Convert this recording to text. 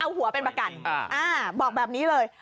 เอาหัวเป็นประกันบอกแบบนี้เลย